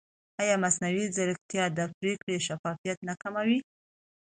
ایا مصنوعي ځیرکتیا د پرېکړې شفافیت نه کموي؟